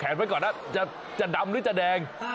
ไว้ก่อนนะจะดำหรือจะแดง